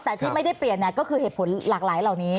แต่ที่ไม่ได้เปลี่ยนก็คือเหตุผลหลากหลายเหล่านี้